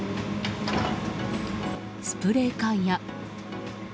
スプレー缶や。